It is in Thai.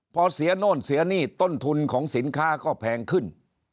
พอเสียโน่นเสียหนี้ต้นทุนของสินค้าก็แพงขึ้น